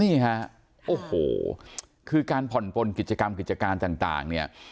นี่ฮะโอ้โหคือการผ่อนปนกิจกรรมกิจการต่างเนี่ย